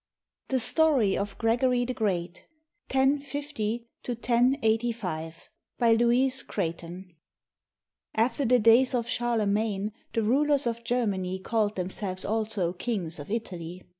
THE STORY OF GREGORY THE GREAT [1050 1085] BY LOUISE CREIGHTON [After the days of Charlemagne the rulers of Germany called themselves also Kings of Italy.